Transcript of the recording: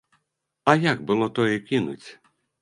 А як было тое кінуць?